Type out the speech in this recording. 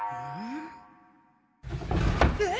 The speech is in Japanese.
えっ！？